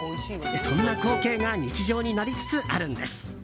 そんな光景が日常になりつつあるんです。